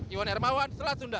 iwan hermawan selasunda